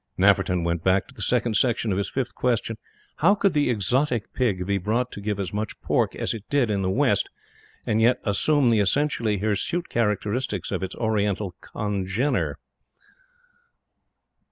Nafferton went back to the second section of his fifth question. How could the exotic Pig be brought to give as much pork as it did in the West and yet "assume the essentially hirsute characteristics of its oriental congener?"